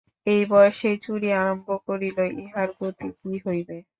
এই বয়সেই চুরি আরম্ভ করিল, ইহার গতি কী হইবে।